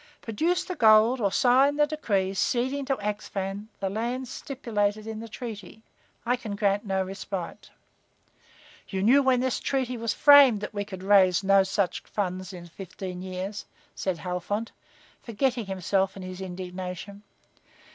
Produce the gold or sign the decree ceding to Axphain the lands stipulated in the treaty. I can grant no respite." "You knew when that treaty was framed that we could raise no such funds in fifteen years," said Halfont, forgetting himself in his indignation.